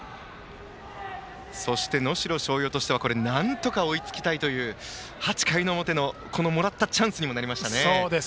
そして能代松陽としてはなんとか追いつきたいという８回の表のもらったチャンスになりました。